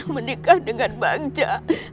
menikah dengan bangja